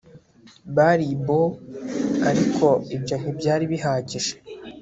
Bari i Bow ariko ibyo ntibyari bihagije